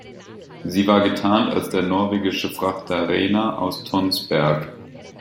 Sie war getarnt als der norwegische Frachter "Rena" aus Tønsberg.